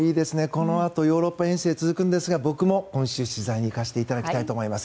このあと、ヨーロッパ遠征が続くんですが僕も今週、取材に行かせていただきたいと思います。